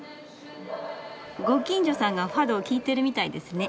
ご近所さんがファドを聞いてるみたいですね。